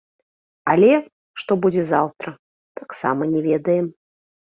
Але, што будзе заўтра, таксама не ведаем.